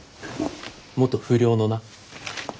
元不良のな。